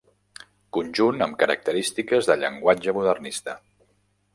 Conjunt amb característiques del llenguatge modernista.